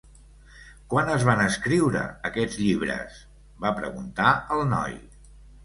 "Quan es van escriure aquests llibres?" va preguntar el noi.